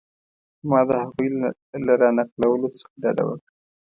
ما د هغوی له را نقلولو څخه ډډه وکړه.